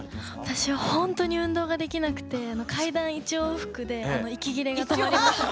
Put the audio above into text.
私はほんとに運動ができなくて階段１往復で息切れが止まりません。